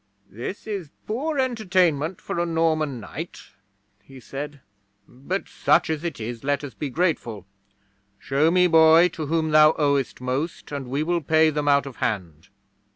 '"This is poor entertainment for a Norman knight," he said, "but, such as it is, let us be grateful. Show me, boy, to whom thou owest most, and we will pay them out of hand."'